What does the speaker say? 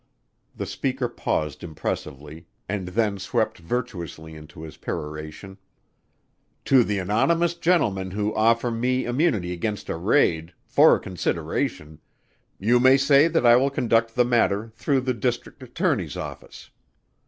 The speaker paused impressively and then swept virtuously into his peroration: "To the anonymous gentlemen who offer me immunity against a raid for a consideration you may say that I will conduct the matter through the District Attorney's office.